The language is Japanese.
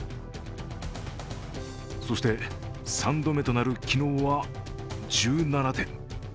そして３度目となる昨日は１７点。